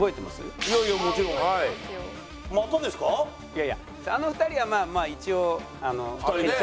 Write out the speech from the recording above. いやいやあの２人はまあ一応決着がついた。